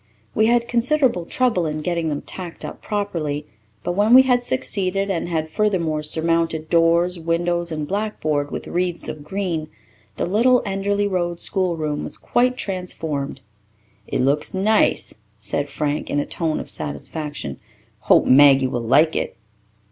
We had considerable trouble in getting them tacked up properly, but when we had succeeded, and had furthermore surmounted doors, windows, and blackboard with wreaths of green, the little Enderly Road schoolroom was quite transformed. "It looks nice," said Frank in a tone of satisfaction. "Hope Maggie will like it."